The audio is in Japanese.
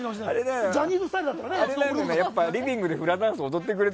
リビングでフラダンス踊ってくれた？